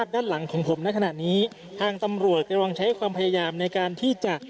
ด้านหลังของผมในขณะนี้ทางตำรวจกำลังใช้ความพยายามในการที่จะ